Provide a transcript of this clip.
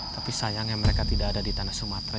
tapi sayangnya mereka tidak ada di tanah sumatera